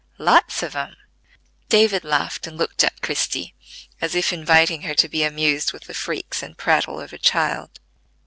"Lots of 'em." David laughed and looked at Christie as if inviting her to be amused with the freaks and prattle of a child.